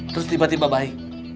terus tiba tiba baik